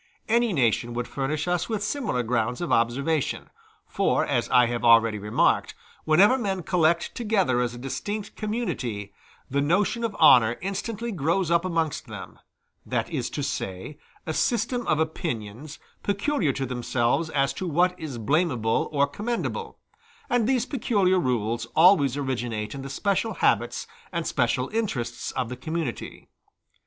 Any nation would furnish us with similar grounds of observation; for, as I have already remarked, whenever men collect together as a distinct community, the notion of honor instantly grows up amongst them; that is to say, a system of opinions peculiar to themselves as to what is blamable or commendable; and these peculiar rules always originate in the special habits and special interests of the community.